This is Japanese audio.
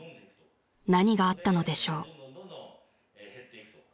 ［何があったのでしょう］